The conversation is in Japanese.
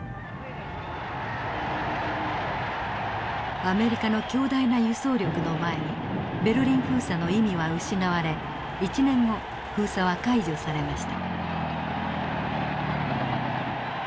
アメリカの強大な輸送力の前にベルリン封鎖の意味は失われ１年後封鎖は解除されました。